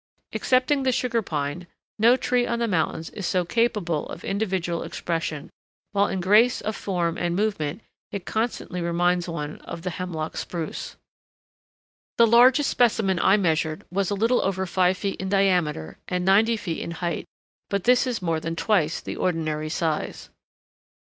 Excepting the Sugar Pine, no tree on the mountains is so capable of individual expression, while in grace of form and movement it constantly reminds one of the Hemlock Spruce. [Illustration: OAK GROWING AMONG YELLOW PINES.] The largest specimen I measured was a little over five feet in diameter and ninety feet in height, but this is more than twice the ordinary size.